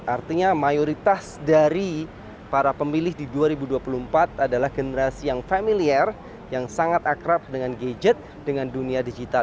artinya mayoritas dari para pemilih di dua ribu dua puluh empat adalah generasi yang familiar yang sangat akrab dengan gadget dengan dunia digital